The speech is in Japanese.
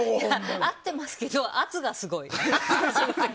合っていますけど圧がすごい。